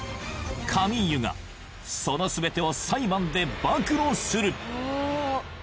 カミーユがその全てを裁判で暴露する！